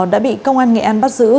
đã bị công an nghệ an bắt giữ